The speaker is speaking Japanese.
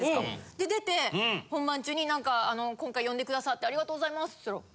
で出て本番中になんか今回呼んでくださってありがとうございますって言ったら。